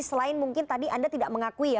selain mungkin tadi anda tidak mengakui ya